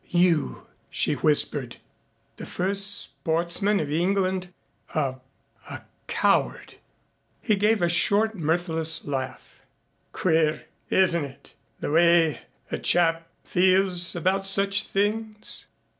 "You," she whispered, "the first sportsman of England a a coward." He gave a short mirthless laugh. "Queer, isn't it, the way a chap feels about such things?